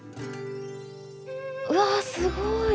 わすごい。